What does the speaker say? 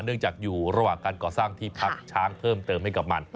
จากอยู่ระหว่างการก่อสร้างที่พักช้างเพิ่มเติมให้กับมัน